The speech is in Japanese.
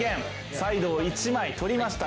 サイドを１枚取りました。